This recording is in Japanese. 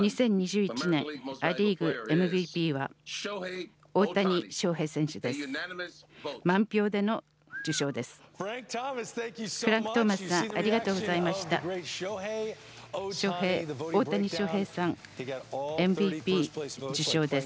２０２１年大リーグＭＶＰは大谷翔平選手です。